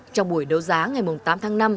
trong buổi đấu giá ngày tám tháng năm